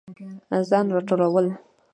ځان راټولول